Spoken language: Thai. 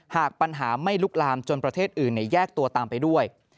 หากปัญหาไม่ลุกลามจนประเทศอื่นแยกตัวตามไปด้วย